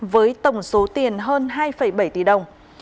với tổng số tiền hơn hai bảy tỷ đồng